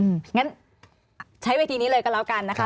งั้นใช้เวทีนี้เลยก็แล้วกันนะคะ